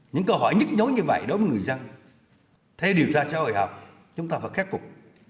những câu hỏi nhức nhối như vậy đối với người dân theo điều tra cho hội học chúng ta phải khép cục